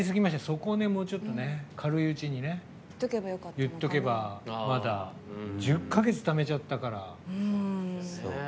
そこをちょっと軽いうちに言っておけばまだ１０か月ためちゃったから。